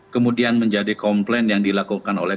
kemudian menjadi komplain yang dilakukan oleh